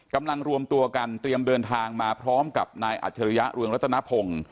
รวมตัวกันเตรียมเดินทางมาพร้อมกับนายอัจฉริยะเรืองรัตนพงศ์